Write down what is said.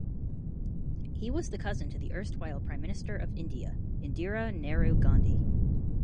He was the cousin to the erstwhile Prime Minister of India, Indira Nehru-Gandhi.